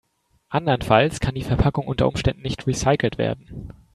Andernfalls kann die Verpackung unter Umständen nicht recycelt werden.